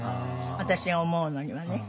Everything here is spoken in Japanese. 私が思うのにはね。